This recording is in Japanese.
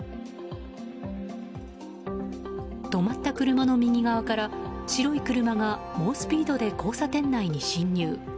止まった車の右側から白い車が猛スピードで交差点内に進入。